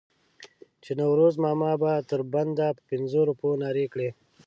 چې نوروز ماما به تر بنده په پنځو روپو نارې کړې.